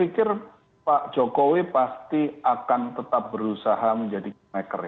saya pikir pak jokowi pasti akan tetap berusaha menjadi kingmaker